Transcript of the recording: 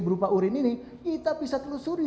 berupa urin ini kita bisa telusuri